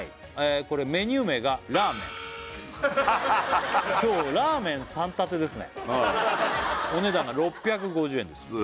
これメニュー名が「ラーメン」今日ラーメン３タテですねお値段が６５０円です